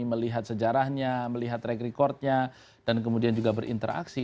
melihat sejarahnya melihat track recordnya dan kemudian juga berinteraksi